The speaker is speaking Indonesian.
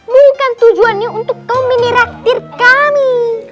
bukan tujuannya untuk kau mini raktir kami